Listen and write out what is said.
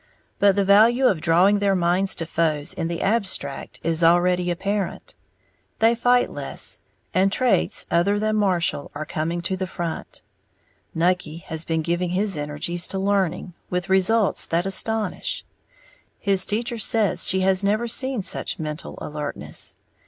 But the value of drawing their minds to foes in the abstract is already apparent, they fight less, and traits other than martial are coming to the front. Nucky has been giving his energies to learning, with results that astonish. His teacher says she has never seen such mental alertness.